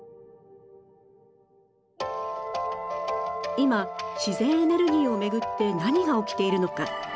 今自然エネルギーを巡って何が起きているのか。